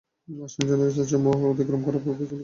আশংকাজনক স্থানসমূহ অতিক্রম করার পর পরিজনের খোঁজখবর নিলাম।